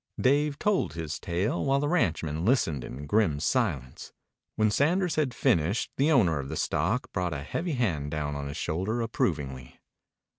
Dave told his tale, while the ranchman listened in grim silence. When Sanders had finished, the owner of the stock brought a heavy hand down on his shoulder approvingly.